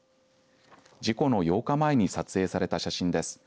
事故の８日前に撮影された写真です。